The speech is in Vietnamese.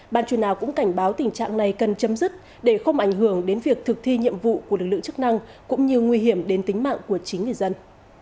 ban chuyên án cũng cảnh báo tình trạng này cần chấm dứt để không ảnh hưởng đến việc thực thi nhiệm vụ của lực lượng chức năng cũng như nguy hiểm đến tính mạng của chính người dân